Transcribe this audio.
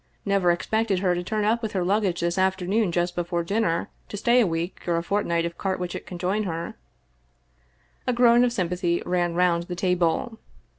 Never expected her to turn up with her luggage this afternoon just before dinner, to stay a week, or a fortnight if Carwitchet can join her." A groan of sym pathy ran round the table.